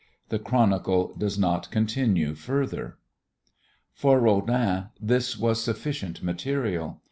The chronicle does not continue further. For Rodin this was sufficient material.